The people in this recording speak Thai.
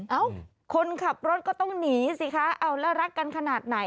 เอ้าคนขับรถก็ต้องหนีสิคะเอาแล้วรักกันขนาดไหน